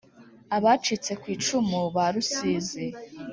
Abacitse ku icumu ba Rusizi